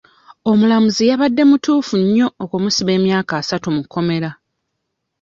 Omulamuzi yabadde mutuufu nnyo okumusiba emyaka asatu mu kkomera.